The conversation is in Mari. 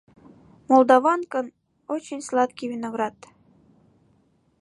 Молдаванкын очень сладкий виноград.